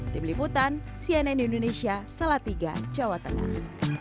tim liputan cnn indonesia salatiga jawa tengah